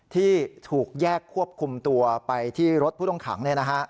ที่ถูกแยกควบคุมตัวไปที่รถผู้ต้องขัง